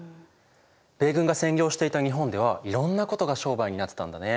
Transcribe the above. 米軍が占領していた日本ではいろんなことが商売になってたんだね。